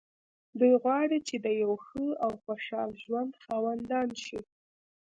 دوی غواړي چې د يوه ښه او خوشحاله ژوند خاوندان شي.